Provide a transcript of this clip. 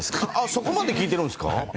そこまで聞いているんですか。